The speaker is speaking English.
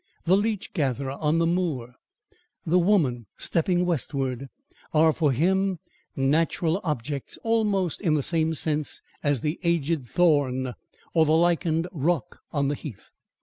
The leech gatherer on the moor, the woman "stepping westward," are for him natural objects, almost in the same sense as the aged thorn, or the lichened rock on the heath.